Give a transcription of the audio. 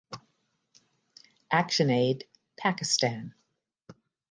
Actionaid (Pakistan).